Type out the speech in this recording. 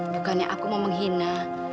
bukannya aku mau menghina